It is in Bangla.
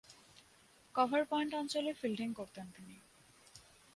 কভার পয়েন্ট অঞ্চলে ফিল্ডিং করতেন তিনি।